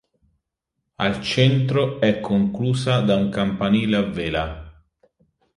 Al centro è conclusa da un campanile a vela.